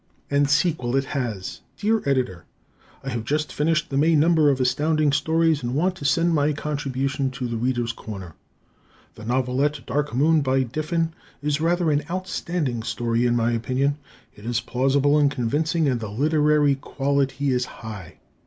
And Sequel It Has Dear Editor: I have just finished the May number of Astounding Stories, and want to send my contribution to "The Readers' Corner." The novelette, "Dark Moon," by Diffin, is rather an outstanding story, in my opinion. It is plausible and convincing, and the literary quality is high.